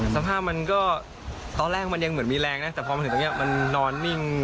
สภาพมันก็ตอนแรกมันยังเหมือนมีแรงนะแต่พอมาถึงตรงนี้มันนอนนิ่ง